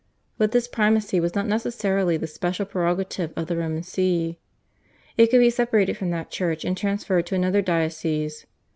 But this primacy was not necessarily the special prerogative of the Roman See; it could be separated from that Church and transferred to another diocese.